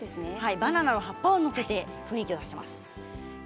バナナの葉っぱを載せて雰囲気を出していきます。